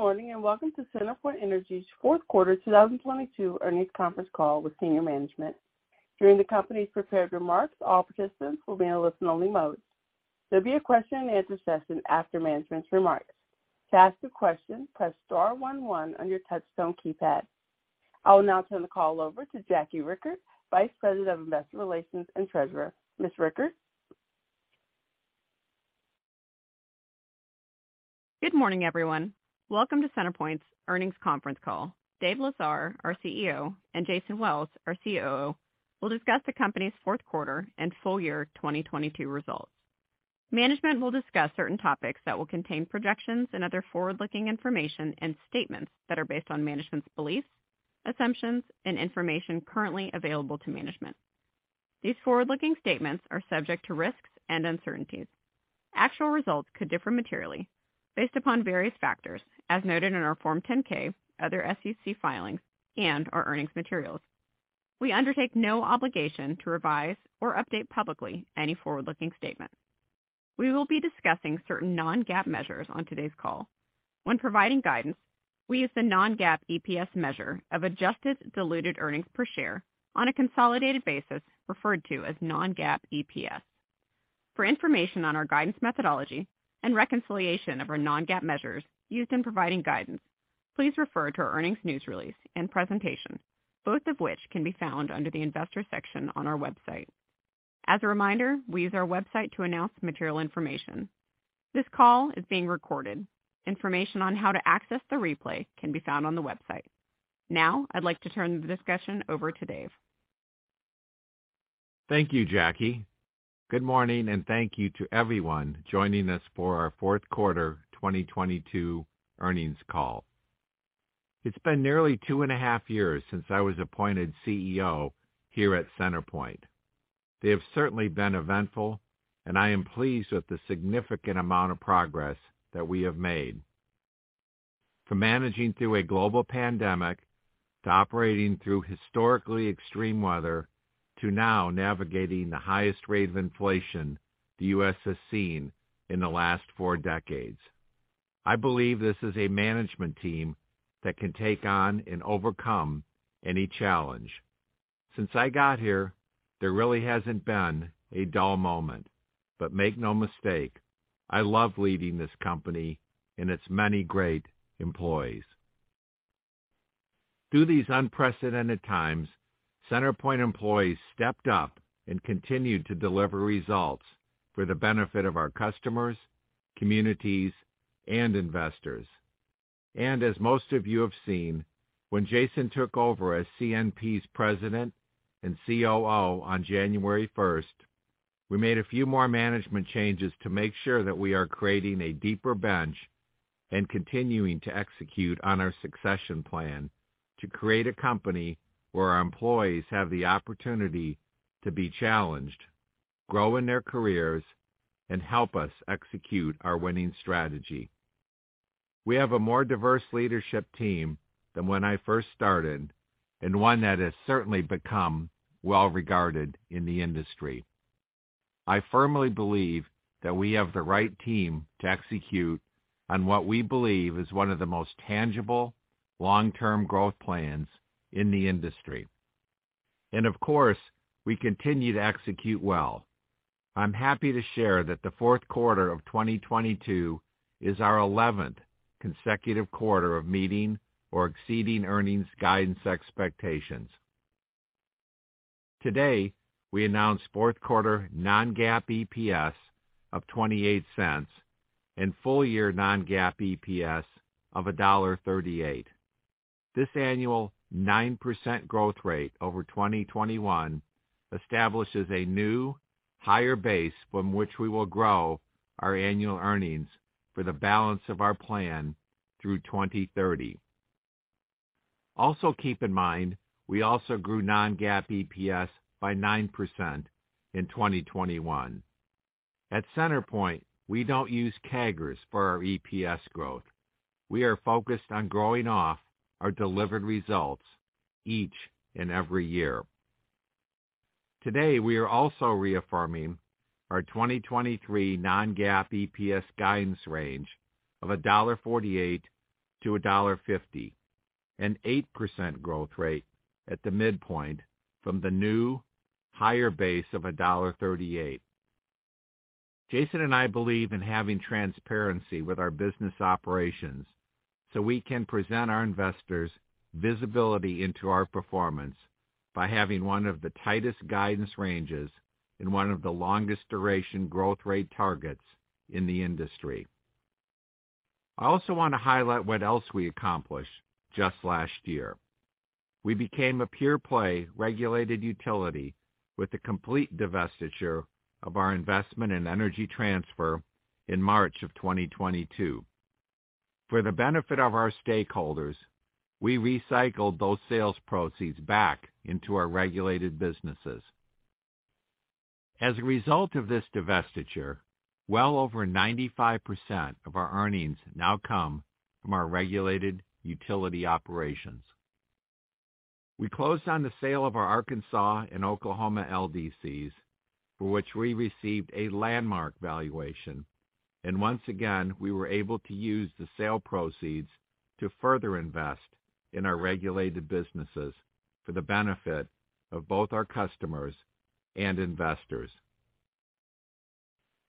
Good morning, welcome to CenterPoint Energy's Q4 2022 earnings conference call with senior management. During the company's prepared remarks, all participants will be in a listen-only mode. There'll be a question-and-answer session after management's remarks. To ask a question, press star one one on your touch tone keypad. I will now turn the call over to Jackie Richert, Vice President of Investor Relations and Treasurer. Ms. Richert? Good morning, everyone. Welcome to CenterPoint's earnings conference call. David Lesar, our CEO, and Jason Wells, our COO, will discuss the company's Q4 and full year 2022 results. Management will discuss certain topics that will contain projections and other forward-looking information and statements that are based on management's beliefs, assumptions, and information currently available to management. These forward-looking statements are subject to risks and uncertainties. Actual results could differ materially based upon various factors as noted in our Form 10-K, other SEC filings, and our earnings materials. We undertake no obligation to revise or update publicly any forward-looking statement. We will be discussing certain non-GAAP measures on today's call. When providing guidance, we use the non-GAAP EPS measure of adjusted diluted earnings per share on a consolidated basis, referred to as non-GAAP EPS. For information on our guidance methodology and reconciliation of our non-GAAP measures used in providing guidance, please refer to our earnings news release and presentation, both of which can be found under the investor section on our website. As a reminder, we use our website to announce material information. This call is being recorded. Information on how to access the replay can be found on the website. Now, I'd like to turn the discussion over to Dave. Thank you, Jackie. Good morning, thank you to everyone joining us for our Q4 2022 earnings call. It's been nearly two and a half years since I was appointed CEO here at CenterPoint. They have certainly been eventful. I am pleased with the significant amount of progress that we have made. From managing through a global pandemic, to operating through historically extreme weather, to now navigating the highest rate of inflation the U.S. has seen in the last four decades. I believe this is a management team that can take on and overcome any challenge. Since I got here, there really hasn't been a dull moment. Make no mistake, I love leading this company and its many great employees. Through these unprecedented times, CenterPoint employees stepped up and continued to deliver results for the benefit of our customers, communities, and investors. As most of you have seen, when Jason took over as CNP's President and COO on January 1st, we made a few more management changes to make sure that we are creating a deeper bench and continuing to execute on our succession plan to create a company where our employees have the opportunity to be challenged, grow in their careers, and help us execute our winning strategy. We have a more diverse leadership team than when I first started and one that has certainly become well-regarded in the industry. I firmly believe that we have the right team to execute on what we believe is one of the most tangible long-term growth plans in the industry. Of course, we continue to execute well. I'm happy to share that the Q4 of 2022 is our 11th consecutive quarter of meeting or exceeding earnings guidance expectations. Today, we announced Q4 non-GAAP EPS of $0.28 and full-year non-GAAP EPS of $1.38. This annual 9% growth rate over 2021 establishes a new higher base from which we will grow our annual earnings for the balance of our plan through 2030. Also keep in mind, we also grew non-GAAP EPS by 9% in 2021. At CenterPoint, we don't use CAGRs for our EPS growth. We are focused on growing off our delivered results each and every year. Today, we are also reaffirming our 2023 non-GAAP EPS guidance range of $1.48-$1.50, an 8% growth rate at the midpoint from the new higher base of $1.38. Jason and I believe in having transparency with our business operations so we can present our investors visibility into our performance by having one of the tightest guidance ranges and one of the longest duration growth rate targets in the industry. I also want to highlight what else we accomplished just last year. We became a pure play regulated utility with the complete divestiture of our investment in Energy Transfer LP in March of 2022. For the benefit of our stakeholders, we recycled those sales proceeds back into our regulated businesses. As a result of this divestiture, well over 95% of our earnings now come from our regulated utility operations. We closed on the sale of our Arkansas and Oklahoma LDCs, for which we received a landmark valuation. Once again, we were able to use the sale proceeds to further invest in our regulated businesses for the benefit of both our customers and investors.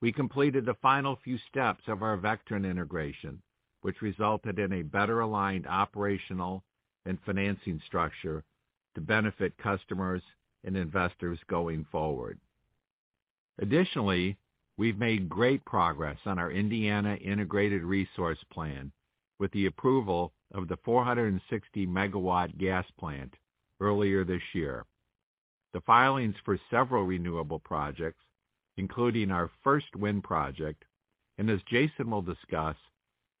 We completed the final few steps of our Vectren integration, which resulted in a better aligned operational and financing structure to benefit customers and investors going forward. Additionally, we've made great progress on our Indiana Integrated Resource Plan with the approval of the 460 megawatt gas plant earlier this year. The filings for several renewable projects, including our first wind project, and as Jason will discuss,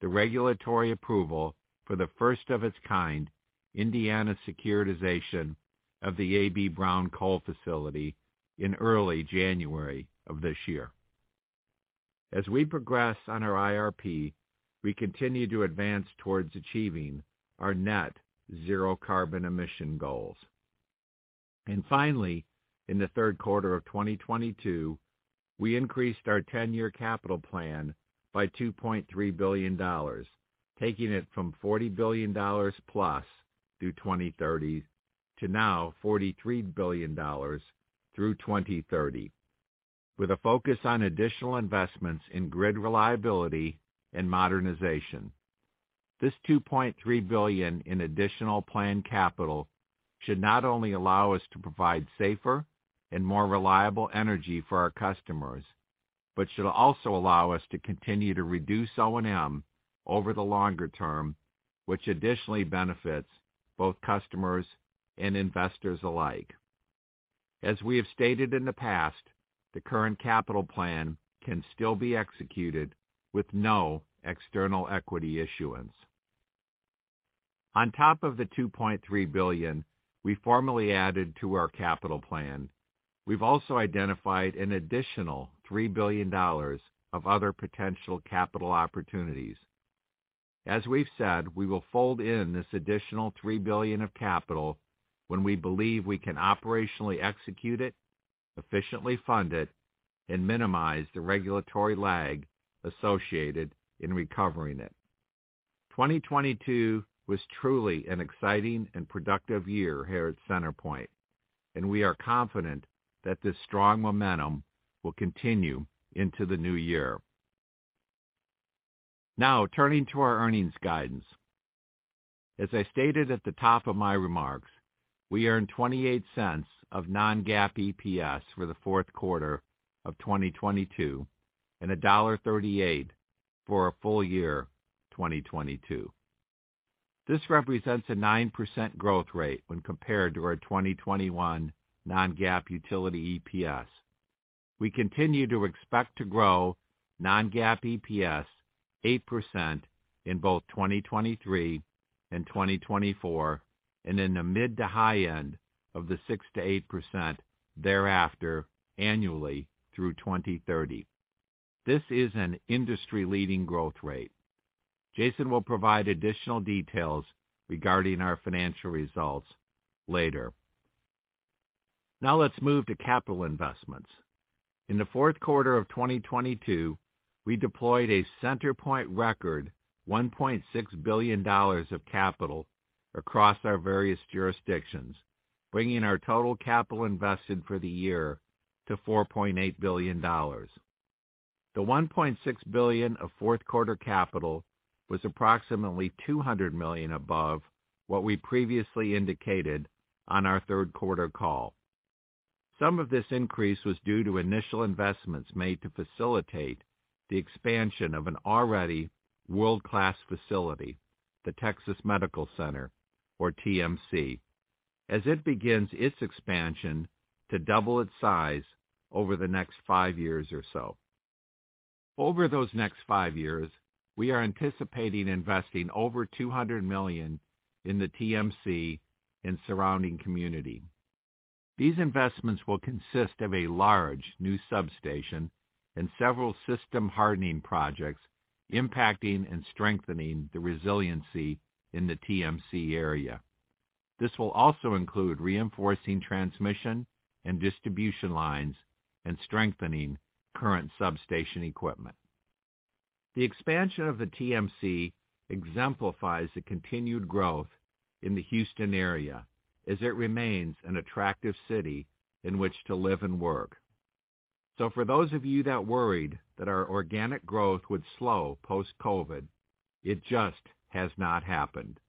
the regulatory approval for the first of its kind Indiana securitization of the AB Brown coal facility in early January of this year. As we progress on our IRP, we continue to advance towards achieving our net-zero carbon emissions goals. Finally, in the Q3 of 2022, we increased our ten-year capital plan by $2.3 billion, taking it from $40 billion+ through 2030 to now $43 billion through 2030, with a focus on additional investments in grid reliability and modernization. This $2.3 billion in additional planned capital should not only allow us to provide safer and more reliable energy for our customers, but should also allow us to continue to reduce O&M over the longer term, which additionally benefits both customers and investors alike. As we have stated in the past, the current capital plan can still be executed with no external equity issuance. On top of the $2.3 billion we formally added to our capital plan, we've also identified an additional $3 billion of other potential capital opportunities. As we've said, we will fold in this additional $3 billion of capital when we believe we can operationally execute it, efficiently fund it, and minimize the regulatory lag associated in recovering it. 2022 was truly an exciting and productive year here at CenterPoint. We are confident that this strong momentum will continue into the new year. Turning to our earnings guidance. As I stated at the top of my remarks, we earned $0.28 of non-GAAP EPS for the Q4 of 2022 and $1.38 for a full year 2022. This represents a 9% growth rate when compared to our 2021 non-GAAP utility EPS. We continue to expect to grow non-GAAP EPS 8% in both 2023 and 2024 and in the mid to high end of the 6%-8% thereafter annually through 2030. This is an industry-leading growth rate. Jason will provide additional details regarding our financial results later. Now let's move to capital investments. In the Q4 of 2022, we deployed a CenterPoint record $1.6 billion of capital across our various jurisdictions, bringing our total capital invested for the year to $4.8 billion. The $1.6 billion of Q4 capital was approximately $200 million above what we previously indicated on our Q3 call. Some of this increase was due to initial investments made to facilitate the expansion of an already world-class facility, the Texas Medical Center, or TMC, as it begins its expansion to double its size over the next five years or so. Over those next five years, we are anticipating investing over $200 million in the TMC and surrounding community. These investments will consist of a large new substation and several system hardening projects impacting and strengthening the resiliency in the TMC area. This will also include reinforcing transmission and distribution lines and strengthening current substation equipment. The expansion of the TMC exemplifies the continued growth in the Houston area as it remains an attractive city in which to live and work. For those of you that worried that our organic growth would slow post-COVID, it just has not happened.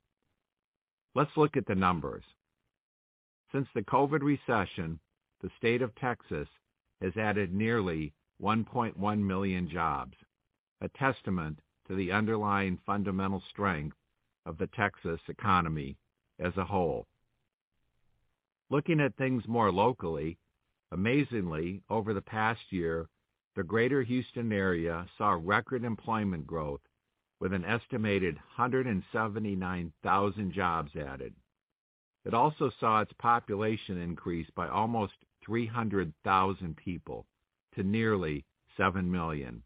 Let's look at the numbers. Since the COVID recession, the state of Texas has added nearly 1.1 million jobs, a testament to the underlying fundamental strength of the Texas economy as a whole. Looking at things more locally, amazingly, over the past year, the greater Houston area saw record employment growth with an estimated 179,000 jobs added. It also saw its population increase by almost 300,000 people to nearly seven million.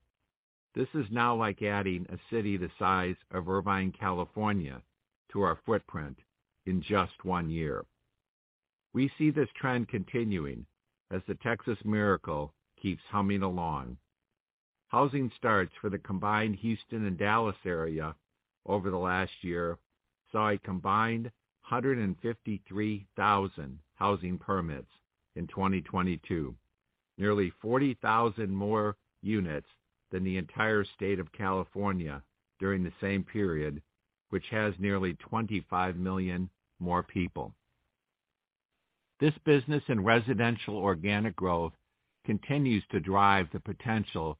This is now like adding a city the size of Irvine, California, to our footprint in just one year. We see this trend continuing as the Texas miracle keeps humming along. Housing starts for the combined Houston and Dallas area over the last year saw a combined 153,000 housing permits in 2022, nearly 40,000 more units than the entire state of California during the same period, which has nearly 25 million more people. This business and residential organic growth continues to drive the potential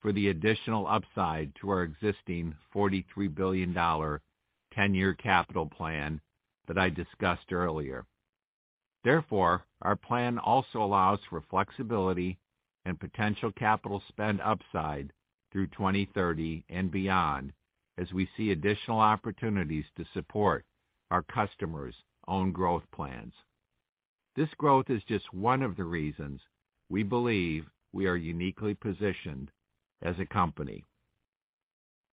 for the additional upside to our existing $43 billion 10 year capital plan that I discussed earlier. Therefore, our plan also allows for flexibility and potential capital spend upside through 2030 and beyond as we see additional opportunities to support our customers' own growth plans. This growth is just one of the reasons we believe we are uniquely positioned as a company.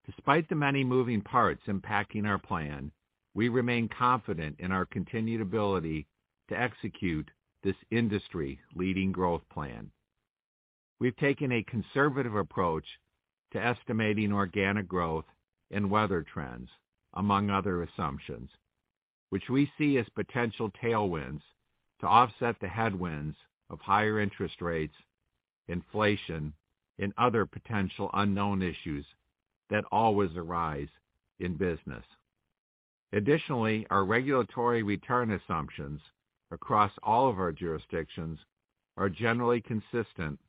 Despite the many moving parts impacting our plan, we remain confident in our continued ability to execute this industry-leading growth plan. We've taken a conservative approach to estimating organic growth and weather trends, among other assumptions, which we see as potential tailwinds to offset the headwinds of higher interest rates, inflation, and other potential unknown issues that always arise in business. Additionally, our regulatory return assumptions across all of our jurisdictions are generally consistent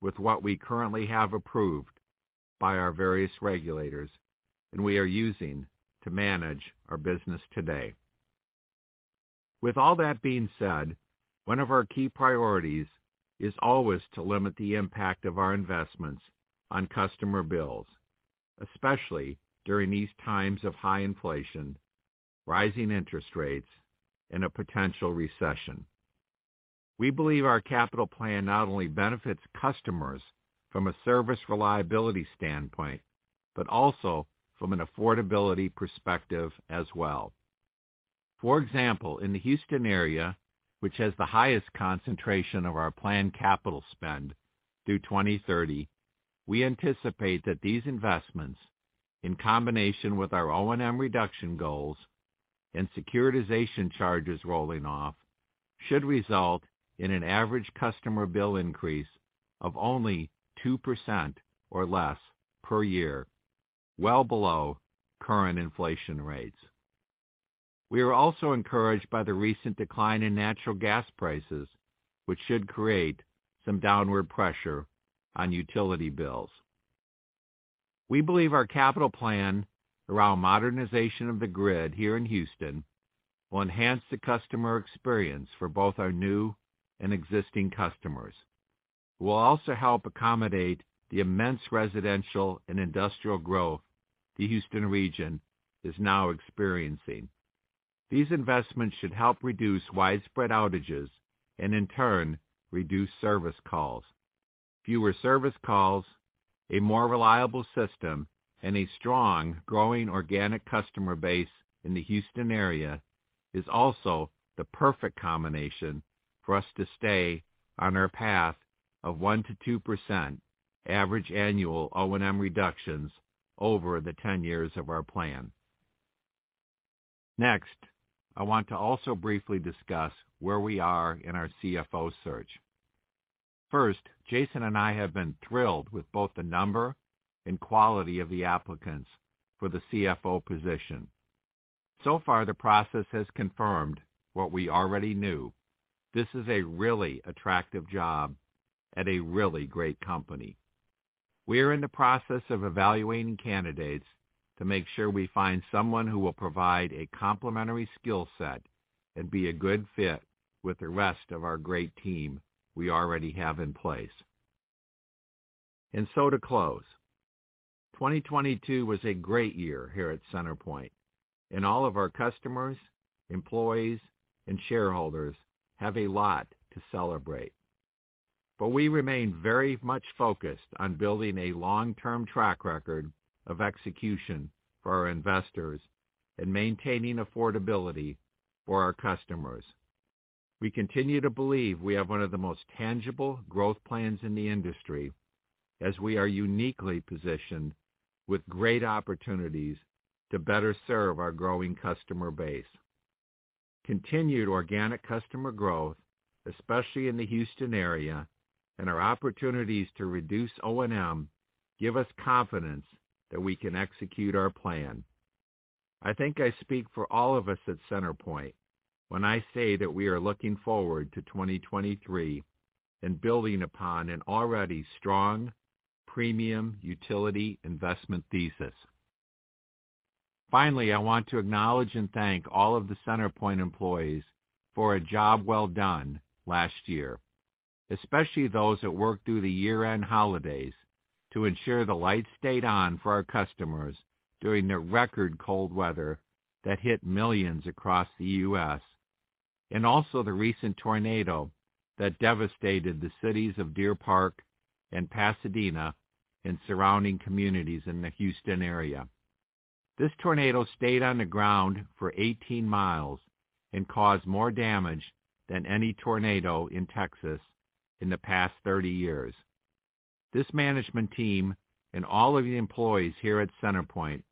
with what we currently have approved by our various regulators and we are using to manage our business today. With all that being said, one of our key priorities is always to limit the impact of our investments on customer bills, especially during these times of high inflation, rising interest rates, and a potential recession. We believe our capital plan not only benefits customers from a service reliability standpoint, but also from an affordability perspective as well. For example, in the Houston area, which has the highest concentration of our planned capital spend through 2030, we anticipate that these investments, in combination with our O&M reduction goals and securitization charges rolling off, should result in an average customer bill increase of only 2% or less per year, well below current inflation rates. We are also encouraged by the recent decline in natural gas prices, which should create some downward pressure on utility bills. We believe our capital plan around modernization of the grid here in Houston will enhance the customer experience for both our new and existing customers. It will also help accommodate the immense residential and industrial growth the Houston region is now experiencing. These investments should help reduce widespread outages and in turn, reduce service calls. Fewer service calls, a more reliable system, and a strong, growing organic customer base in the Houston area is also the perfect combination for us to stay on our path of 1%-2% average annual O&M reductions over the 10 years of our plan. I want to also briefly discuss where we are in our CFO search. Jason and I have been thrilled with both the number and quality of the applicants for the CFO position. The process has confirmed what we already knew: this is a really attractive job at a really great company. We are in the process of evaluating candidates to make sure we find someone who will provide a complimentary skill set and be a good fit with the rest of our great team we already have in place. To close, 2022 was a great year here at CenterPoint, and all of our customers, employees, and shareholders have a lot to celebrate. We remain very much focused on building a long-term track record of execution for our investors and maintaining affordability for our customers. We continue to believe we have one of the most tangible growth plans in the industry as we are uniquely positioned with great opportunities to better serve our growing customer base. Continued organic customer growth, especially in the Houston area, and our opportunities to reduce O&M give us confidence that we can execute our plan. I think I speak for all of us at CenterPoint when I say that we are looking forward to 2023 and building upon an already strong premium utility investment thesis. Finally, I want to acknowledge and thank all of the CenterPoint employees for a job well done last year, especially those that worked through the year-end holidays to ensure the lights stayed on for our customers during the record cold weather that hit millions across the U.S. Also the recent tornado that devastated the cities of Deer Park and Pasadena and surrounding communities in the Houston area. This tornado stayed on the ground for 18 miles and caused more damage than any tornado in Texas in the past 30 years. This management team and all of the employees here at CenterPoint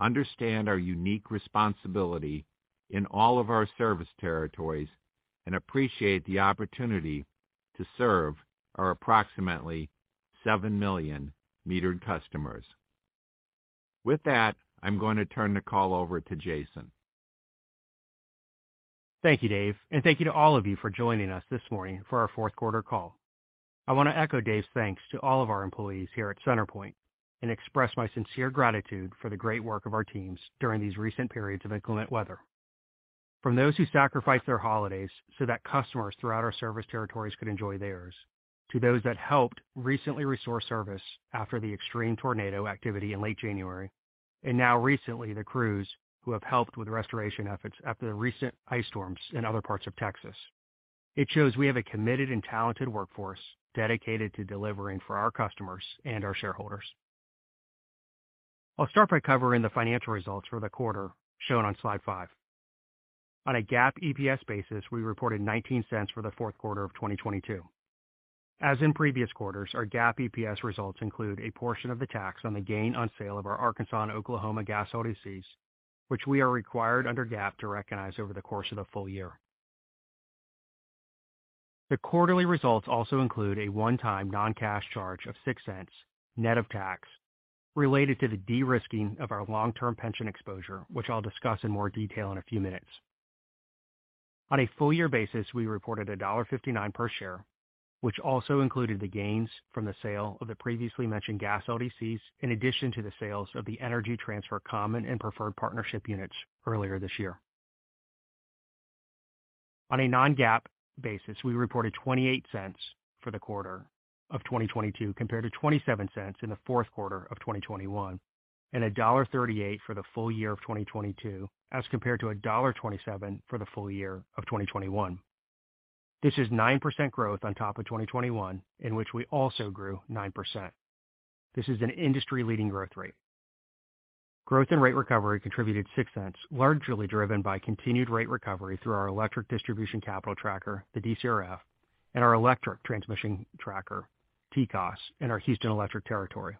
understand our unique responsibility in all of our service territories and appreciate the opportunity to serve our approximately seven million metered customers. With that, I'm going to turn the call over to Jason. Thank you, Dave, and thank you to all of you for joining us this morning for our Q4 call. I want to echo Dave's thanks to all of our employees here at CenterPoint and express my sincere gratitude for the great work of our teams during these recent periods of inclement weather. From those who sacrificed their holidays so that customers throughout our service territories could enjoy theirs, to those that helped recently restore service after the extreme tornado activity in late January, and now recently, the crews who have helped with restoration efforts after the recent ice storms in other parts of Texas. It shows we have a committed and talented workforce dedicated to delivering for our customers and our shareholders. I'll start by covering the financial results for the quarter shown on slide five. On a GAAP EPS basis, we reported $0.19 for the Q4 of 2022. As in previous quarters, our GAAP EPS results include a portion of the tax on the gain on sale of our Arkansas and Oklahoma gas LDCs, which we are required under GAAP to recognize over the course of the full year. The quarterly results also include a one-time non-cash charge of $0.06 net of tax related to the de-risking of our long-term pension exposure, which I'll discuss in more detail in a few minutes. On a full year basis, we reported $1.59 per share, which also included the gains from the sale of the previously mentioned gas LDCs in addition to the sales of the Energy Transfer common and preferred partnership units earlier this year. On a non-GAAP basis, we reported $0.28 for the quarter of 2022, compared to $0.27 in the Q4 of 2021. $1.38 for the full year of 2022, as compared to $1.27 for the full year of 2021. This is 9% growth on top of 2021, in which we also grew 9%. This is an industry-leading growth rate. Growth in rate recovery contributed $0.06, largely driven by continued rate recovery through our electric distribution capital tracker, the DCRF, and our electric transmission tracker, TCOS, in our Houston Electric territory.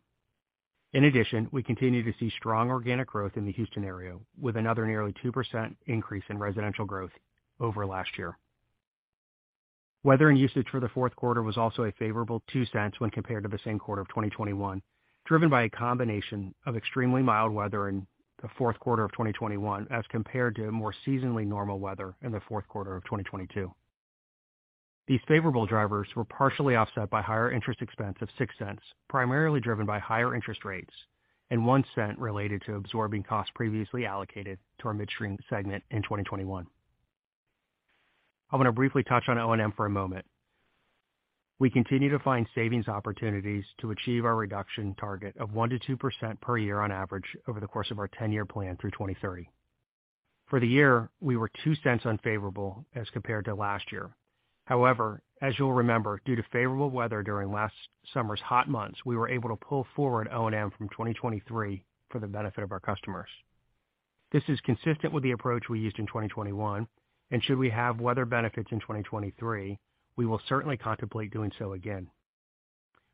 We continue to see strong organic growth in the Houston area, with another nearly 2% increase in residential growth over last year. Weather and usage for the Q4 was also a favorable $0.02 when compared to the same quarter of 2021, driven by a combination of extremely mild weather in the Q4 of 2021 as compared to more seasonally normal weather in the Q4 of 2022. These favorable drivers were partially offset by higher interest expense of $0.06, primarily driven by higher interest rates and $0.01 related to absorbing costs previously allocated to our midstream segment in 2021. I'm going to briefly touch on O&M for a moment. We continue to find savings opportunities to achieve our reduction target of 1% to 2% per year on average over the course of our 10 year plan through 2030. For the year, we were $0.02 unfavorable as compared to last year. As you'll remember, due to favorable weather during last summer's hot months, we were able to pull forward O&M from 2023 for the benefit of our customers. This is consistent with the approach we used in 2021, should we have weather benefits in 2023, we will certainly contemplate doing so again.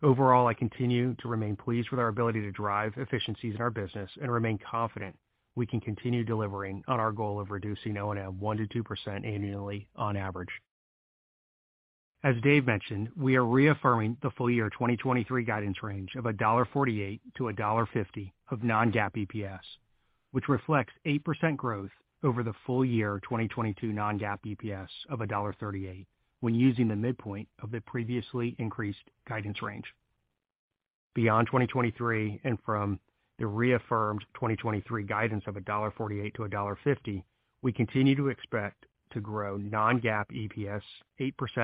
Overall, I continue to remain pleased with our ability to drive efficiencies in our business and remain confident we can continue delivering on our goal of reducing O&M 1%-2% annually on average. As Dave mentioned, we are reaffirming the full year 2023 guidance range of $1.48-$1.50 of non-GAAP EPS, which reflects 8% growth over the full year 2022 non-GAAP EPS of $1.38 when using the midpoint of the previously increased guidance range. Beyond 2023 and from the reaffirmed 2023 guidance of $1.48-$1.50, we continue to expect to grow non-GAAP EPS 8%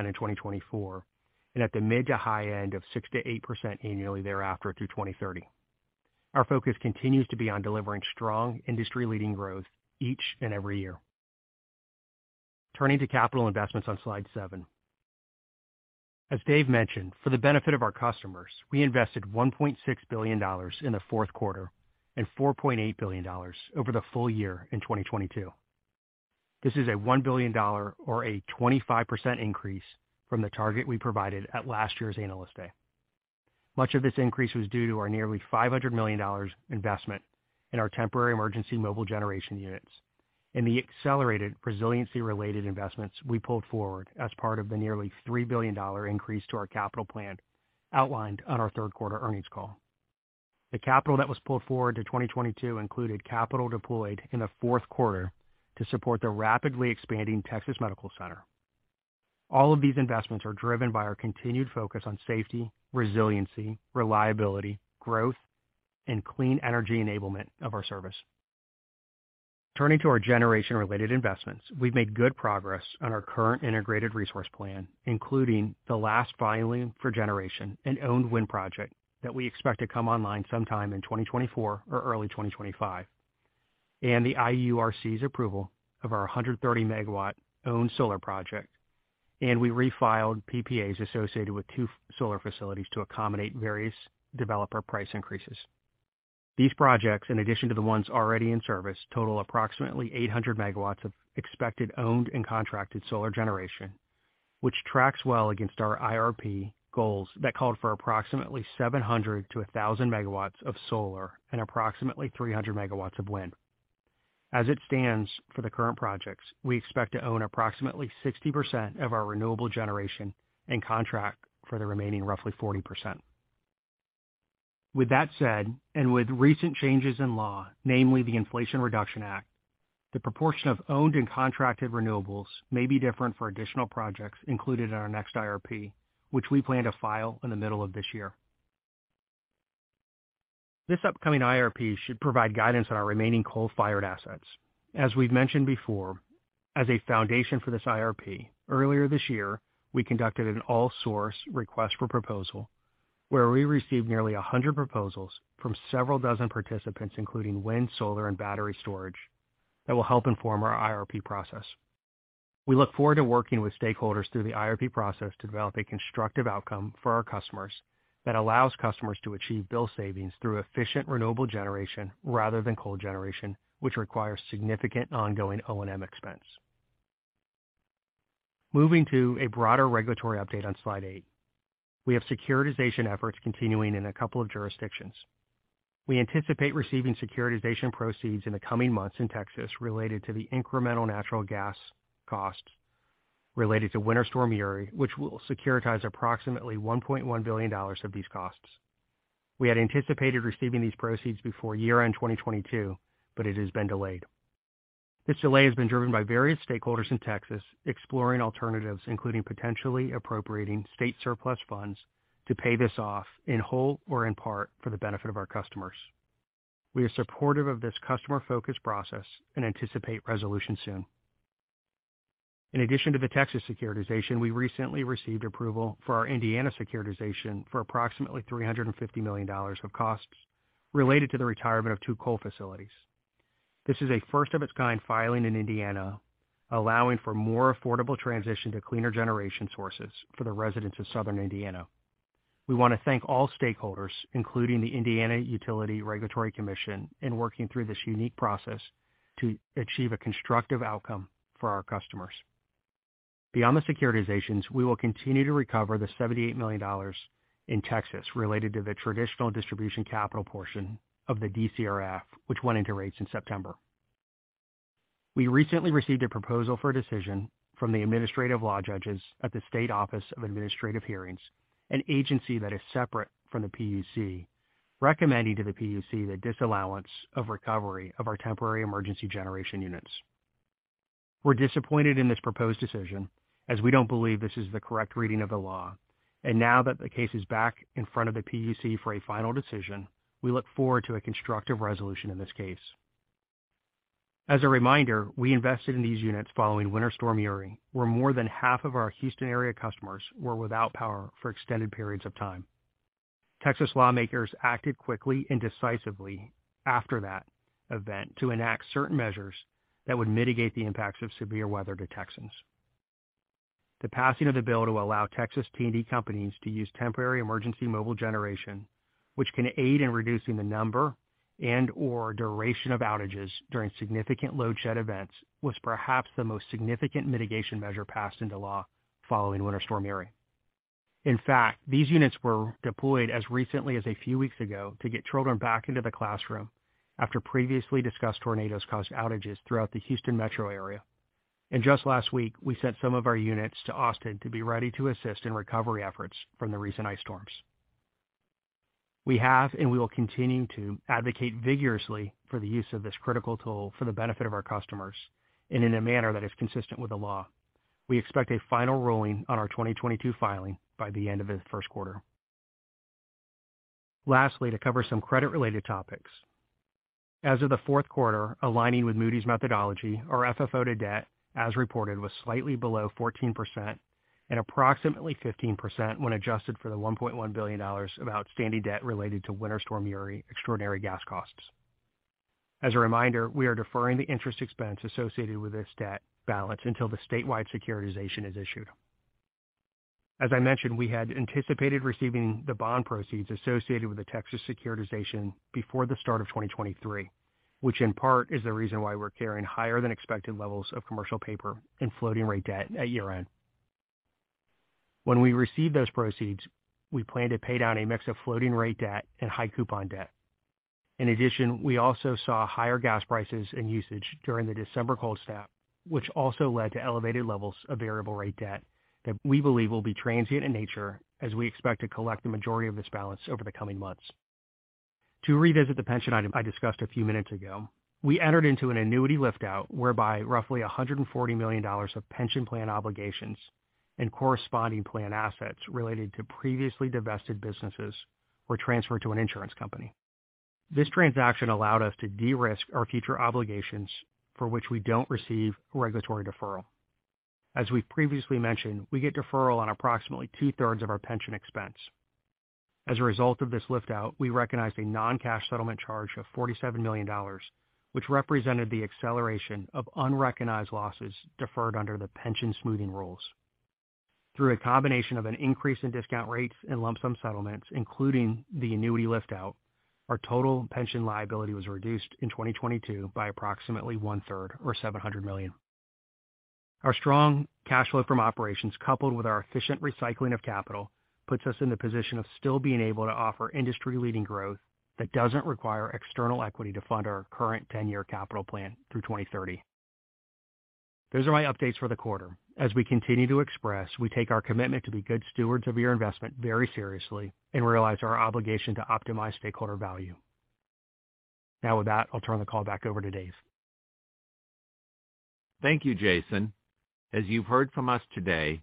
in 2024 and at the mid to high end of 6%-8% annually thereafter through 2030. Our focus continues to be on delivering strong industry-leading growth each and every year. Turning to capital investments on slide seven. As Dave Lesar mentioned, for the benefit of our customers, we invested $1.6 billion in the Q4 and $4.8 billion over the full year in 2022. This is a $1 billion or a 25% increase from the target we provided at last year's Analyst Day. Much of this increase was due to our nearly $500 million investment in our temporary emergency mobile generation units and the accelerated resiliency-related investments we pulled forward as part of the nearly $3 billion increase to our capital plan outlined on our Q3 earnings call. The capital that was pulled forward to 2022 included capital deployed in the Q4 to support the rapidly expanding Texas Medical Center. All of these investments are driven by our continued focus on safety, resiliency, reliability, growth, and clean energy enablement of our service. Turning to our generation-related investments. We've made good progress on our current Integrated Resource Plan, including the last filing for generation and owned wind project that we expect to come online sometime in 2024 or early 2025.The IURC's approval of our 130-megawatt owned solar project, and we refiled PPAs associated with two solar facilities to accommodate various developer price increases. These projects, in addition to the ones already in service, total approximately 800 megawatts of expected owned and contracted solar generation, which tracks well against our IRP goals that called for approximately 700-1,000 megawatts of solar and approximately 300 megawatts of wind. As it stands for the current projects, we expect to own approximately 60% of our renewable generation and contract for the remaining roughly 40%. With that said, with recent changes in law, namely the Inflation Reduction Act, the proportion of owned and contracted renewables may be different for additional projects included in our next IRP, which we plan to file in the middle of this year. This upcoming IRP should provide guidance on our remaining coal-fired assets. As we've mentioned before, as a foundation for this IRP, earlier this year, we conducted an all-source request for proposal where we received nearly 100 proposals from several dozen participants, including wind, solar, and battery storage, that will help inform our IRP process. We look forward to working with stakeholders through the IRP process to develop a constructive outcome for our customers that allows customers to achieve bill savings through efficient renewable generation rather than coal generation, which requires significant ongoing O&M expense. Moving to a broader regulatory update on slide eight. We have securitization efforts continuing in a couple of jurisdictions. We anticipate receiving securitization proceeds in the coming months in Texas related to the incremental natural gas costs related to Winter Storm Uri, which will securitize approximately $1.1 billion of these costs. We had anticipated receiving these proceeds before year-end 2022. It has been delayed. This delay has been driven by various stakeholders in Texas exploring alternatives, including potentially appropriating state surplus funds to pay this off in whole or in part for the benefit of our customers. We are supportive of this customer-focused process and anticipate resolution soon. In addition to the Texas securitization, we recently received approval for our Indiana securitization for approximately $350 million of costs related to the retirement of two coal facilities. This is a first of its kind filing in Indiana, allowing for more affordable transition to cleaner generation sources for the residents of Southern Indiana. We want to thank all stakeholders, including the Indiana Utility Regulatory Commission, in working through this unique process to achieve a constructive outcome for our customers. Beyond the securitizations, we will continue to recover the $78 million in Texas related to the traditional distribution capital portion of the DCRF, which went into rates in September. We recently received a proposal for a decision from the administrative law judges at the State Office of Administrative Hearings, an agency that is separate from the PUC, recommending to the PUC the disallowance of recovery of our temporary emergency generation units. We're disappointed in this proposed decision, as we don't believe this is the correct reading of the law. Now that the case is back in front of the PUC for a final decision, we look forward to a constructive resolution in this case. As a reminder, we invested in these units following Winter Storm Uri, where more than half of our Houston area customers were without power for extended periods of time. Texas lawmakers acted quickly and decisively after that event to enact certain measures that would mitigate the impacts of severe weather to Texans. The passing of the bill to allow Texas T&D companies to use temporary emergency mobile generation, which can aid in reducing the number and/or duration of outages during significant load shed events, was perhaps the most significant mitigation measure passed into law following Winter Storm Uri. In fact, these units were deployed as recently as a few weeks ago to get children back into the classroom after previously discussed tornadoes caused outages throughout the Houston metro area. Just last week, we sent some of our units to Austin to be ready to assist in recovery efforts from the recent ice storms. We have and we will continue to advocate vigorously for the use of this critical tool for the benefit of our customers and in a manner that is consistent with the law. We expect a final ruling on our 2022 filing by the end of the Q1. Lastly, to cover some credit-related topics. As of the Q1, aligning with Moody's methodology, our FFO to debt as reported was slightly below 14% and approximately 15% when adjusted for the $1.1 billion of outstanding debt related to Winter Storm Uri extraordinary gas costs. As a reminder, we are deferring the interest expense associated with this debt balance until the statewide securitization is issued. As I mentioned, we had anticipated receiving the bond proceeds associated with the Texas securitization before the start of 2023, which in part is the reason why we're carrying higher than expected levels of commercial paper and floating rate debt at year-end. When we receive those proceeds, we plan to pay down a mix of floating rate debt and high coupon debt. We also saw higher gas prices and usage during the December cold snap, which also led to elevated levels of variable rate debt that we believe will be transient in nature as we expect to collect the majority of this balance over the coming months. To revisit the pension item I discussed a few minutes ago, we entered into an annuity lift-out whereby roughly $140 million of pension plan obligations and corresponding plan assets related to previously divested businesses were transferred to an insurance company. This transaction allowed us to de-risk our future obligations for which we don't receive regulatory deferral. As we've previously mentioned, we get deferral on approximately two-thirds of our pension expense. As a result of this lift-out, we recognized a non-cash settlement charge of $47 million, which represented the acceleration of unrecognized losses deferred under the pension smoothing rules. Through a combination of an increase in discount rates and lump sum settlements, including the annuity lift-out, our total pension liability was reduced in 2022 by approximately one-third or $700 million. Our strong cash flow from operations, coupled with our efficient recycling of capital, puts us in the position of still being able to offer industry-leading growth that doesn't require external equity to fund our current 10 year capital plan through 2030. Those are my updates for the quarter. As we continue to express, we take our commitment to be good stewards of your investment very seriously and realize our obligation to optimize stakeholder value. Now with that, I'll turn the call back over to Dave. Thank you, Jason. As you've heard from us today,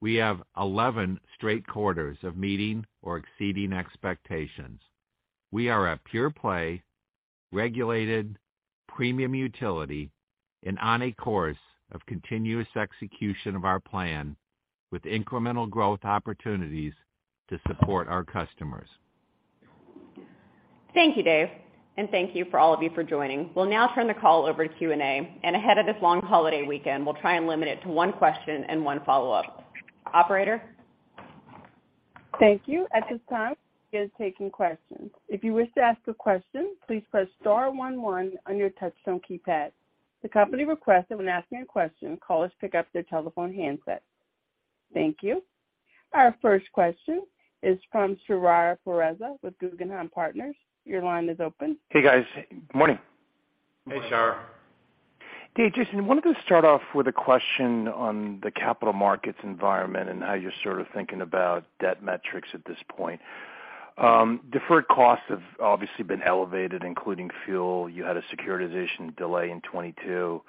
we have 11 straight quarters of meeting or exceeding expectations. We are a pure-play, regulated premium utility and on a course of continuous execution of our plan with incremental growth opportunities to support our customers. Thank you, Dave, and thank you for all of you for joining. We'll now turn the call over to Q&A. Ahead of this long holiday weekend, we'll try and limit it to one question and one follow-up. Operator? Thank you. At this time, we are taking questions. If you wish to ask a question, please press star one one on your touchtone keypad. The company requests that when asking a question, callers pick up their telephone handset. Thank you. Our first question is from Shar Pourreza with Guggenheim Partners. Your line is open. Hey, guys. Good morning. Hey, Shar. Hey, Jason. Wanted to start off with a question on the capital markets environment and how you're sort of thinking about debt metrics at this point. Deferred costs have obviously been elevated, including fuel. You had a securitization delay in 2022.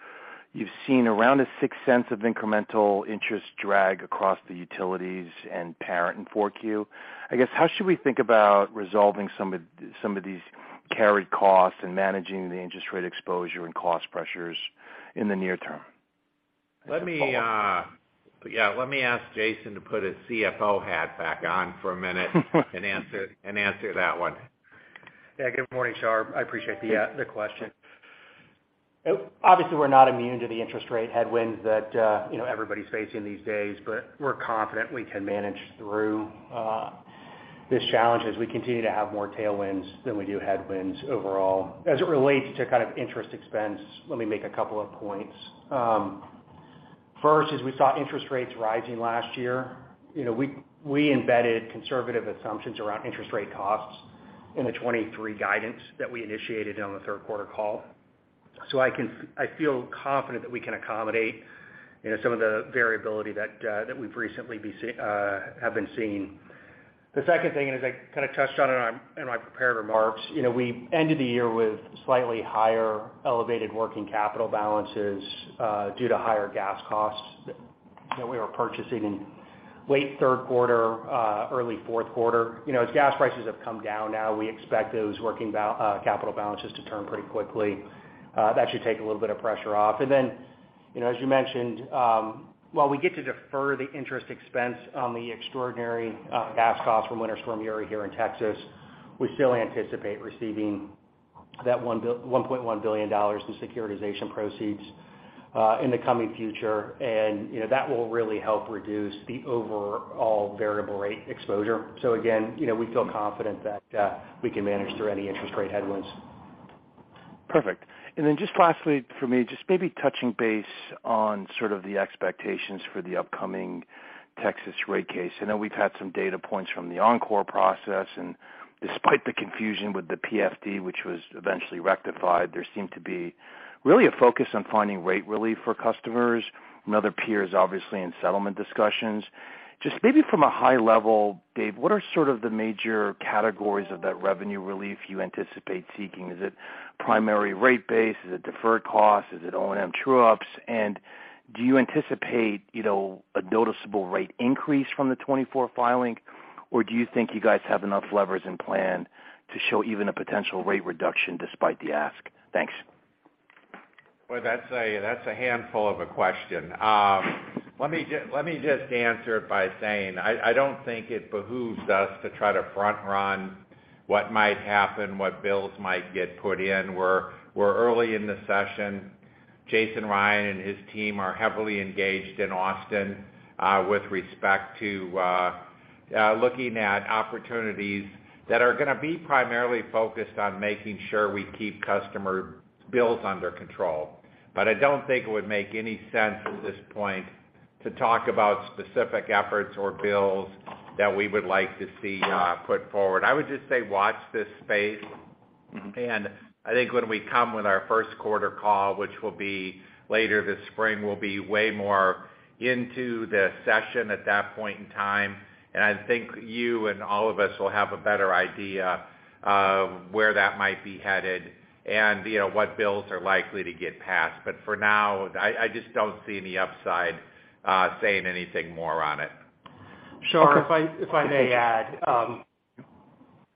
You've seen around a $0.06 of incremental interest drag across the utilities and parent in Q4. I guess, how should we think about resolving some of these carried costs and managing the interest rate exposure and cost pressures in the near term? Let me ask Jason to put his CFO hat back on for a minute and answer that one. Good morning, Shar. I appreciate the question. Obviously, we're not immune to the interest rate headwinds that, you know, everybody's facing these days, but we're confident we can manage through this challenge as we continue to have more tailwinds than we do headwinds overall. As it relates to kind of interest expense, let me make a couple of points. First is we saw interest rates rising last year. You know, we embedded conservative assumptions around interest rate costs in the 2023 guidance that we initiated on the Q3 call. I feel confident that we can accommodate, you know, some of the variability that we've recently been seeing. The second thing, as I kind of touched on in my, in my prepared remarks, you know, we ended the year with slightly higher elevated working capital balances due to higher gas costs that we were purchasing in late Q3, early Q4. You know, as gas prices have come down now, we expect those working capital balances to turn pretty quickly. That should take a little bit of pressure off. You know, as you mentioned, while we get to defer the interest expense on the extraordinary gas costs from Winter Storm Uri here in Texas, we still anticipate receiving that $1.1 billion in securitization proceeds in the coming future. You know, that will really help reduce the overall variable rate exposure. Again, you know, we feel confident that we can manage through any interest rate headwinds. Perfect. Then just lastly for me, just maybe touching base on sort of the expectations for the upcoming Texas rate case. I know we've had some data points from the Oncor process, despite the confusion with the PFD, which was eventually rectified, there seemed to be really a focus on finding rate relief for customers and other peers, obviously, in settlement discussions. Just maybe from a high level, Dave, what are sort of the major categories of that revenue relief you anticipate seeking? Is it primary rate base? Is it deferred costs? Is it O&M true-ups? Do you anticipate, you know, a noticeable rate increase from the 2024 filing, or do you think you guys have enough levers in plan to show even a potential rate reduction despite the ask? Thanks. Boy, that's a handful of a question. Let me just answer it by saying I don't think it behooves us to try to front run what might happen, what bills might get put in. We're early in the session. Jason Ryan and his team are heavily engaged in Austin, with respect to looking at opportunities that are gonna be primarily focused on making sure we keep customer bills under control. I don't think it would make any sense at this point to talk about specific efforts or bills that we would like to see put forward. I would just say watch this space. I think when we come with our Q1 call, which will be later this spring, we'll be way more into the session at that point in time. I think you and all of us will have a better idea of where that might be headed and, you know, what bills are likely to get passed. For now, I just don't see any upside, saying anything more on it. Shar, if I may add,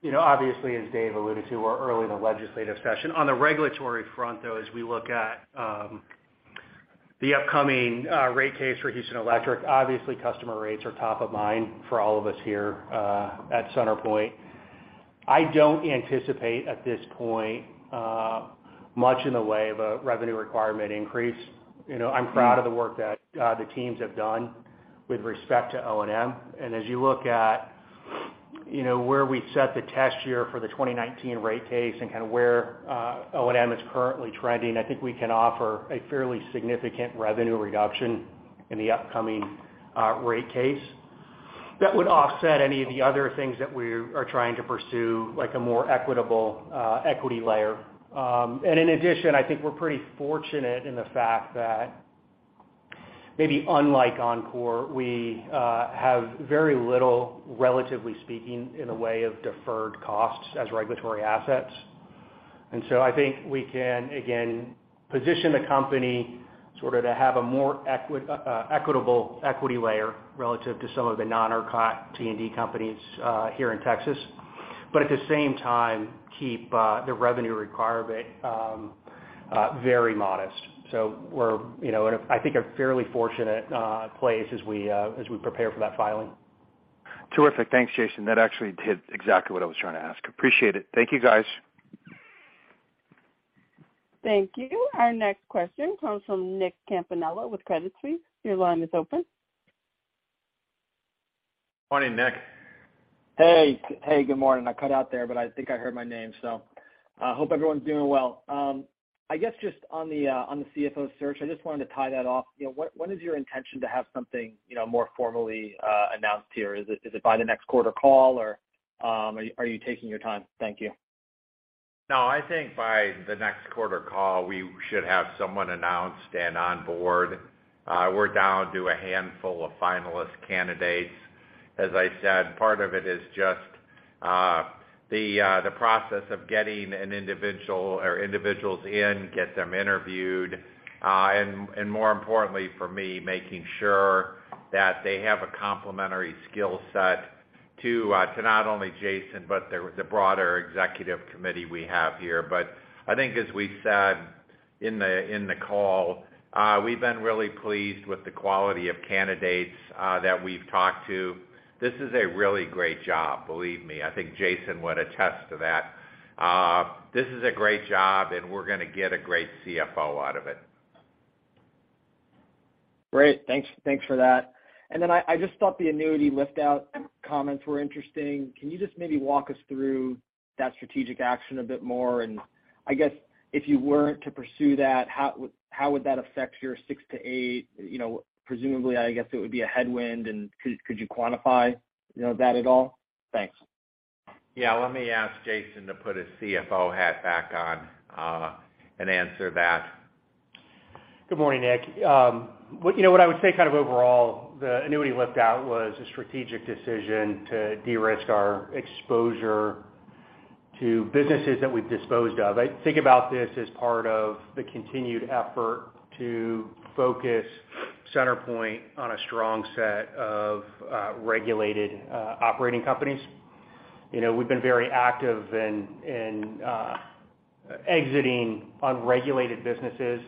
you know, obviously, as Dave alluded to, we're early in the legislative session. On the regulatory front, though, as we look at the upcoming rate case for Houston Electric. Obviously, customer rates are top of mind for all of us here at CenterPoint. I don't anticipate, at this point, much in the way of a revenue requirement increase. You know, I'm proud of the work that the teams have done with respect to O&M. As you look at, you know, where we set the test year for the 2019 rate case and kind of where O&M is currently trending, I think we can offer a fairly significant revenue reduction in the upcoming rate case that would offset any of the other things that we are trying to pursue, like a more equitable equity layer. In addition, I think we're pretty fortunate in the fact that maybe unlike Oncor, we have very little, relatively speaking, in the way of deferred costs as regulatory assets. I think we can, again, position the company sort of to have a more equitable equity layer relative to some of the non-ERCOT T&D companies here in Texas. At the same time, keep the revenue requirement very modest. We're, you know, at a, I think, a fairly fortunate place as we prepare for that filing. Terrific. Thanks, Jason. That actually did exactly what I was trying to ask. Appreciate it. Thank you, guys. Thank you. Our next question comes from Nick Campanella with Credit Suisse. Your line is open. Morning, Nick. Good morning. I cut out there, but I think I heard my name, so hope everyone's doing well. I guess just on the on the CFO search, I just wanted to tie that off. You know, what is your intention to have something, you know, more formally announced here? Is it by the next quarter call, or are you taking your time? Thank you. No, I think by the next quarter call, we should have someone announced and on board. We're down to a handful of finalist candidates. As I said, part of it is just the process of getting an individual or individuals in, get them interviewed, and more importantly for me, making sure that they have a complementary skill set to not only Jason, but the broader executive committee we have here. I think as we said in the call, we've been really pleased with the quality of candidates that we've talked to. This is a really great job, believe me. I think Jason would attest to that. This is a great job, and we're gonna get a great CFO out of it. Great. Thanks, thanks for that. I just thought the annuity lift-out comments were interesting. Can you just maybe walk us through that strategic action a bit more? I guess if you weren't to pursue that, how would that affect your 6%-8%? You know, presumably, I guess it would be a headwind. Could you quantify, you know, that at all? Thanks. Yeah. Let me ask Jason to put his CFO hat back on, and answer that. Good morning, Nick. You know, what I would say kind of overall, the annuity lift-out was a strategic decision to de-risk our exposure to businesses that we've disposed of. I think about this as part of the continued effort to focus CenterPoint on a strong set of regulated operating companies. You know, we've been very active in exiting unregulated businesses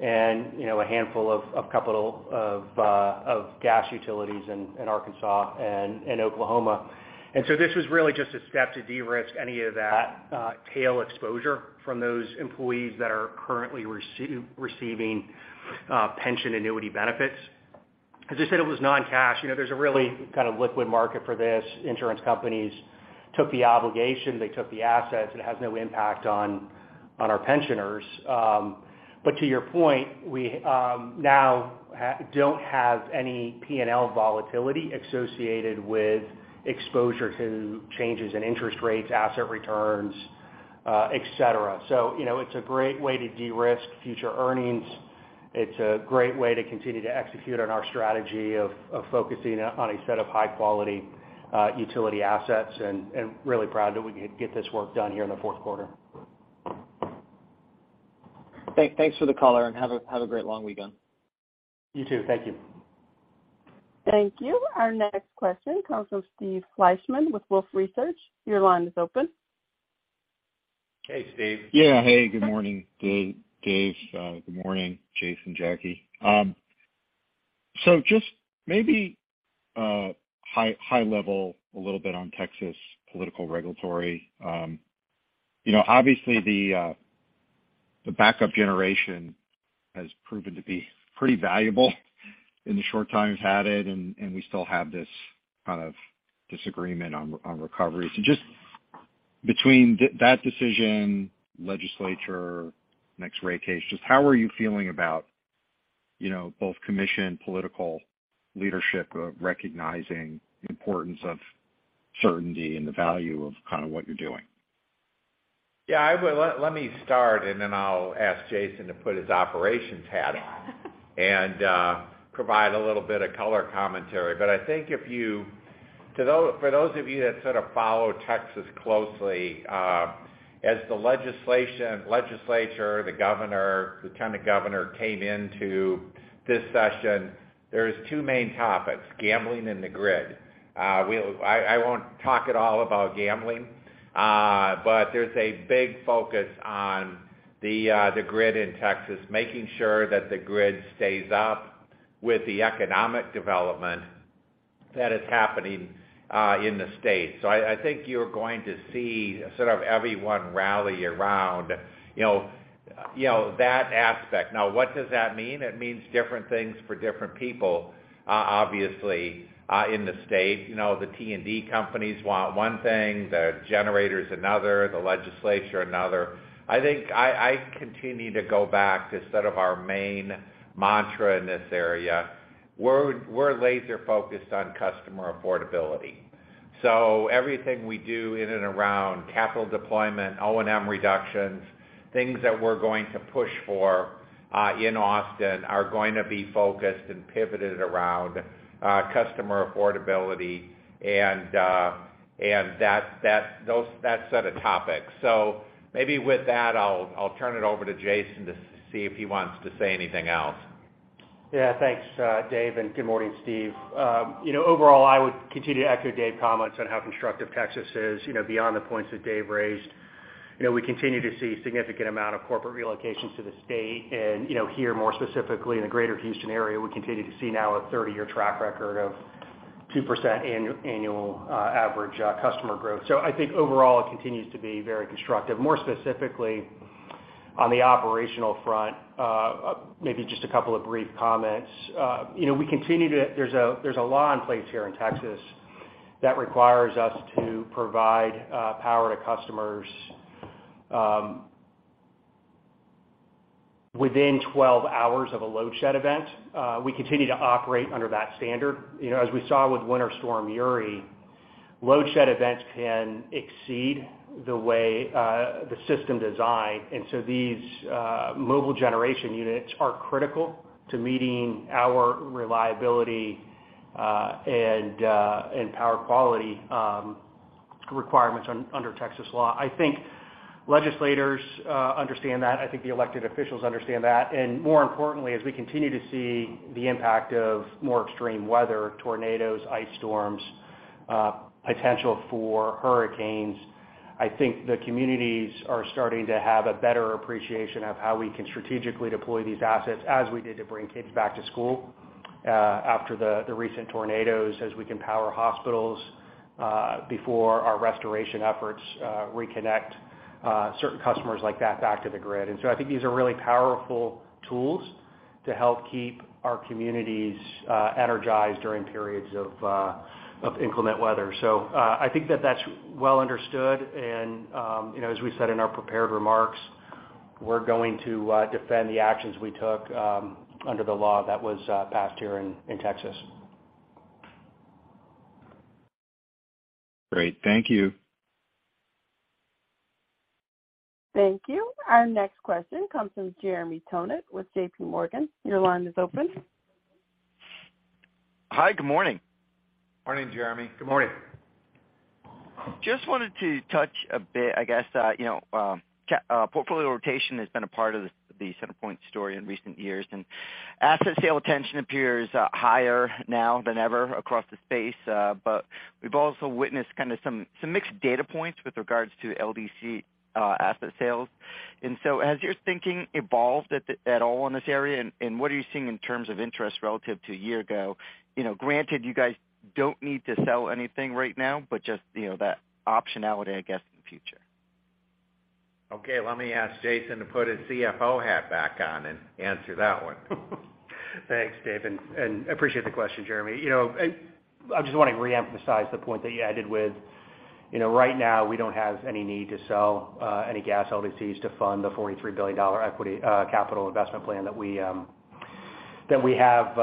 and, you know, a handful of couple of gas utilities in Arkansas and Oklahoma. This was really just a step to de-risk any of that tail exposure from those employees that are currently receiving pension annuity benefits. As I said, it was non-cash. You know, there's a really kind of liquid market for this. Insurance companies took the obligation, they took the assets, it has no impact on our pensioners. To your point, we don't have any P&L volatility associated with exposure to changes in interest rates, asset returns, et cetera. You know, it's a great way to de-risk future earnings. It's a great way to continue to execute on our strategy of focusing on a set of high-quality utility assets, and really proud that we could get this work done here in the Q4. Thanks for the color, and have a great long weekend. You too. Thank you. Thank you. Our next question comes from Steve Fleishman with Wolfe Research. Your line is open. Hey, Steve. Yeah. Hey, good morning, Dave. Good morning, Jason, Jackie. Just maybe a high level a little bit on Texas political regulatory. You know, obviously the backup generation has proven to be pretty valuable in the short time we've had it, and we still have this kind of disagreement on recovery. Just between that decision, legislature, next rate case, just how are you feeling about, you know, both commission political leadership recognizing the importance of certainty and the value of kind of what you're doing? Yeah, let me start, and then I'll ask Jason to put his operations hat on and provide a little bit of color commentary. I think for those of you that sort of follow Texas closely, as the legislature, the governor, lieutenant governor came into this session, there's two main topics, gambling and the grid. I won't talk at all about gambling, but there's a big focus on the grid in Texas, making sure that the grid stays up with the economic development that is happening in the state. I think you're going to see sort of everyone rally around, you know, that aspect. Now, what does that mean? It means different things for different people, obviously, in the state. You know, the T&D companies want one thing, the generators another, the legislature another. I think I continue to go back to sort of our main mantra in this area. We're, we're laser focused on customer affordability. Everything we do in and around capital deployment, O&M reductions, things that we're going to push for in Austin are going to be focused and pivoted around customer affordability and and that, those, that set of topics. Maybe with that, I'll turn it over to Jason to see if he wants to say anything else. Yeah. Thanks, Dave, good morning, Steve. You know, overall, I would continue to echo Dave comments on how constructive Texas is, you know, beyond the points that Dave raised. You know, we continue to see significant amount of corporate relocations to the state. You know, here, more specifically in the greater Houston area, we continue to see now a 30 year track record of 2% annual average customer growth. I think overall, it continues to be very constructive. More specifically, on the operational front, maybe just a couple of brief comments. You know, we continue to there's a law in place here in Texas that requires us to provide power to customers within 12 hours of a load shedding event. We continue to operate under that standard. You know, as we saw with Winter Storm Uri, load shedding events can exceed the way the system designed. These mobile generation units are critical to meeting our reliability and power quality requirements under Texas law. I think legislators understand that. I think the elected officials understand that. More importantly, as we continue to see the impact of more extreme weather, tornadoes, ice storms, potential for hurricanes, I think the communities are starting to have a better appreciation of how we can strategically deploy these assets as we did to bring kids back to school after the recent tornadoes, as we can power hospitals before our restoration efforts reconnect certain customers like that back to the grid. I think these are really powerful tools to help keep our communities, energized during periods of inclement weather. I think that that's well understood, and, you know, as we said in our prepared remarks, we're going to defend the actions we took under the law that was passed here in Texas. Great. Thank you. Thank you. Our next question comes from Jeremy Tonet with J.P. Morgan. Your line is open. Hi. Good morning. Morning, Jeremy. Good morning. Just wanted to touch a bit, I guess, you know, portfolio rotation has been a part of the CenterPoint story in recent years, and asset sale tension appears higher now than ever across the space. We've also witnessed kind of some mixed data points with regards to LDC asset sales. Has your thinking evolved at all in this area, and what are you seeing in terms of interest relative to a year ago? You know, granted you guys don't need to sell anything right now, but just, you know, that optionality, I guess, in the future. Okay. Let me ask Jason to put his CFO hat back on and answer that one. Thanks, Dave, and appreciate the question, Jeremy. You know, I just want to reemphasize the point that you ended with. You know, right now we don't have any need to sell any gas LDCs to fund the $43 billion equity capital investment plan that we have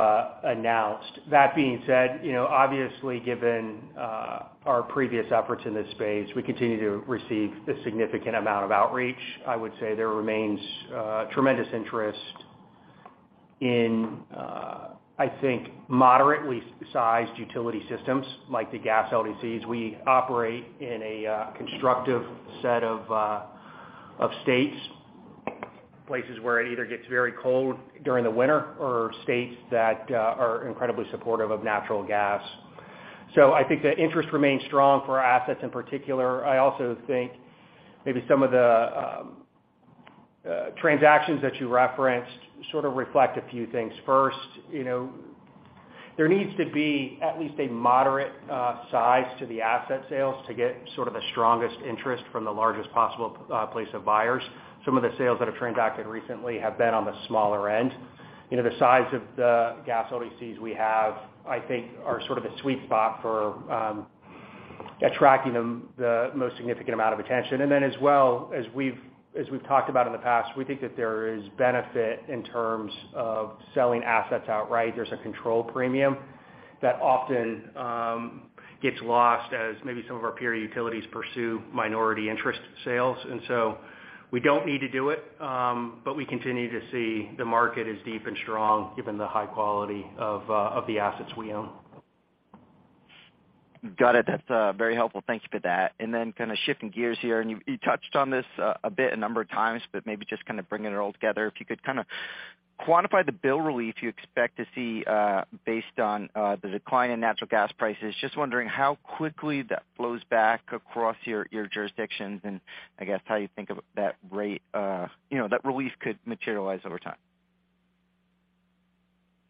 announced. That being said, you know, obviously, given our previous efforts in this space, we continue to receive a significant amount of outreach. I would say there remains tremendous interest in I think moderately sized utility systems like the gas LDCs. We operate in a constructive set of states, places where it either gets very cold during the winter or states that are incredibly supportive of natural gas. I think the interest remains strong for our assets in particular. I also think maybe some of the transactions that you referenced sort of reflect a few things. First, you know, there needs to be at least a moderate size to the asset sales to get sort of the strongest interest from the largest possible place of buyers. Some of the sales that have transacted recently have been on the smaller end. You know, the size of the gas LDCs we have, I think are sort of a sweet spot for attracting them the most significant amount of attention. As well as we've, as we've talked about in the past, we think that there is benefit in terms of selling assets outright. There's a control premium that often gets lost as maybe some of our peer utilities pursue minority interest sales. We don't need to do it, but we continue to see the market is deep and strong given the high quality of the assets we own. Got it. That's very helpful. Thank you for that. Kind of shifting gears here, and you touched on this a bit a number of times, but maybe just kind of bringing it all together. If you could kind of quantify the bill relief you expect to see, based on the decline in natural gas prices. Just wondering how quickly that flows back across your jurisdictions, and I guess how you think of that rate, you know, that relief could materialize over time?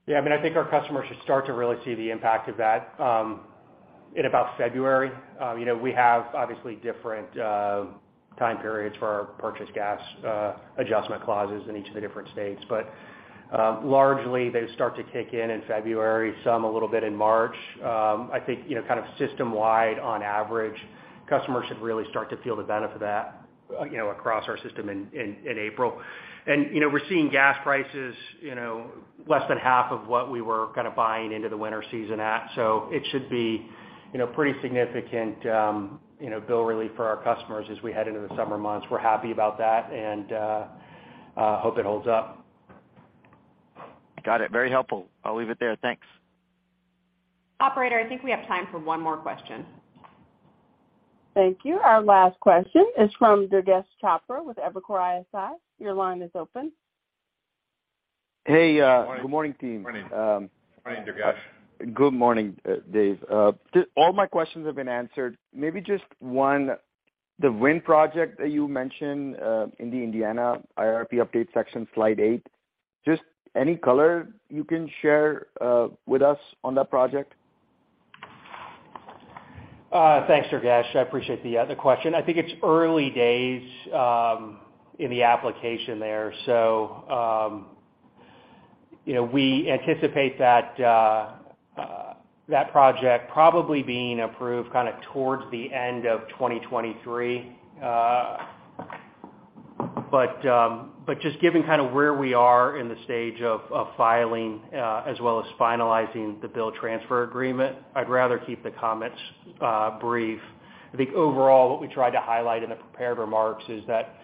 I mean, I think our customers should start to really see the impact of that in about February. We have obviously different time periods for our purchased gas adjustment clauses in each of the different states. Largely, they start to kick in in February, some a little bit in March. I think, kind of system-wide on average, customers should really start to feel the benefit of that, across our system in April. We're seeing gas prices less than half of what we were kind of buying into the winter season at. It should be pretty significant bill relief for our customers as we head into the summer months. We're happy about that, and hope it holds up. Got it. Very helpful. I'll leave it there. Thanks. Operator, I think we have time for one more question. Thank you. Our last question is from Durgesh Chopra with Evercore ISI. Your line is open. Hey. Morning. Good morning, team. Morning. Morning, Durgesh. Good morning, Dave. All my questions have been answered. Maybe just one. The wind project that you mentioned, in the Indiana IRP update section, slide eight, just any color you can share with us on that project? Thanks, Durgesh. I appreciate the question. I think it's early days in the application there. You know, we anticipate that project probably being approved kind of towards the end of 2023. Just given kind of where we are in the stage of filing, as well as finalizing the bill transfer agreement, I'd rather keep the comments brief. I think overall what we tried to highlight in the prepared remarks is that,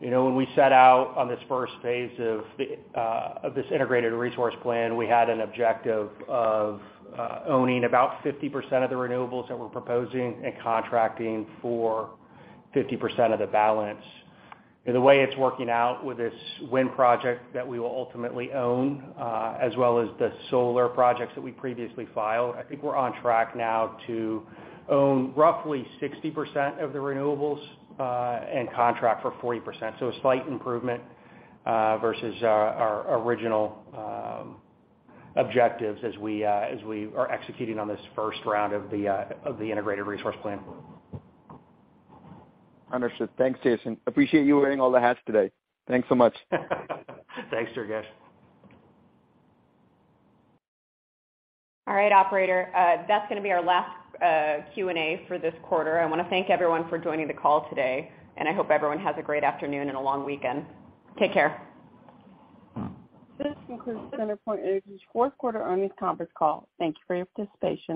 you know, when we set out on this first phase of this Integrated Resource Plan, we had an objective of owning about 50% of the renewables that we're proposing and contracting for 50% of the balance. The way it's working out with this wind project that we will ultimately own, as well as the solar projects that we previously filed, I think we're on track now to own roughly 60% of the renewables, and contract for 40%. A slight improvement versus our original objectives as we are executing on this first round of the Integrated Resource Plan. Understood. Thanks, Jason. Appreciate you wearing all the hats today. Thanks so much. Thanks, Durgesh. All right, operator, that's going to be our last Q&A for this quarter. I want to thank everyone for joining the call today. I hope everyone has a great afternoon and a long weekend. Take care. This concludes CenterPoint Energy's Q4 earnings conference call. Thank you for your participation.